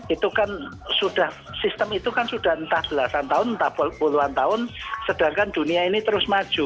itu kan sudah sistem itu kan sudah entah belasan tahun entah puluhan tahun sedangkan dunia ini terus maju